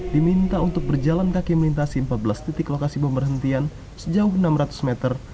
diminta untuk berjalan kaki melintasi empat belas titik lokasi pemberhentian sejauh enam ratus meter